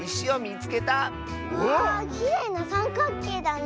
わあきれいなさんかっけいだね。